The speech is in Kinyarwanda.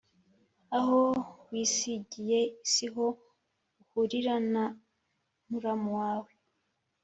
Aho wisigiye siho uhurira na muramu wawe.